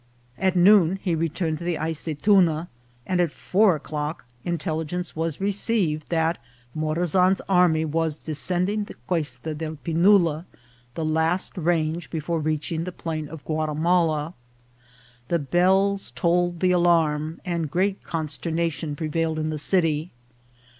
At noon he returned to the Aceytuna, and at four o'clock intelligence was re ceived that Morazan's army was descending the Questa de Pinula, the last range before reaching the plain of Guatimala. The bells tolled the alarm, and great con sternation prevailed in the city.